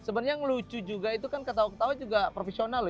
sebenarnya yang lucu juga itu kan ketawa ketawa juga profesional loh